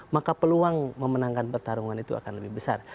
maka peluang memenangkan pertarungan itu akan lebih besar